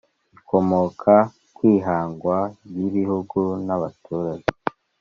ikomoka kwihangwa ry’ibihugu nabaturage